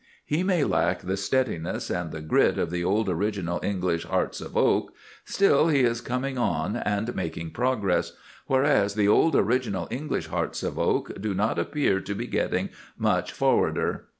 He may lack the steadiness and the grit of the old original English hearts of oak. Still, he is coming on and making progress; whereas the old original English hearts of oak do not appear to be getting much "forrader."